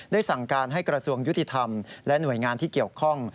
สั่งการให้กระทรวงยุติธรรมและหน่วยงานที่เกี่ยวข้อง